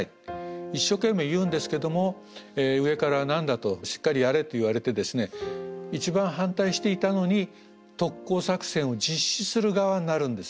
一生懸命言うんですけども上から何だとしっかりやれと言われてですね一番反対していたのに特攻作戦を実施する側になるんですね。